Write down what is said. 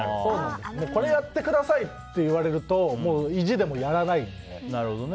これやってくださいって言われると意地でもやらないので。